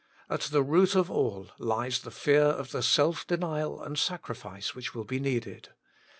At the root of all lies the fear of the self denial and the sacrifice which will be needed.